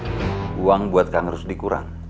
bang uang buat kak ngerus dikurang